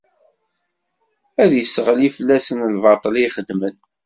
Ad d-isseɣli fell-asen lbaṭel i xeddmen.